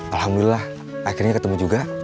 alhamdulillah akhirnya ketemu juga